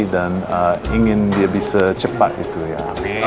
ingin dia bisa cepat gitu ya